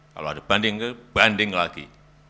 kalau ada banding lagi